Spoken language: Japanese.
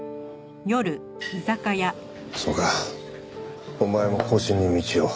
そうかお前も後進に道を。